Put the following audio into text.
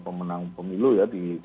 pemenang pemilu ya di